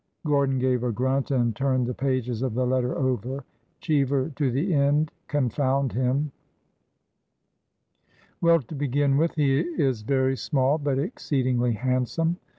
[Gordon gave a grunt, and turned the pages of the letter over. '' Cheever to the end— confound him 1 "] Well, to begin with, he is very small, but exceed ingly handsome.